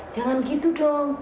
jangan gitu dong